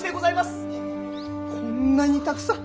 こんなにたくさん！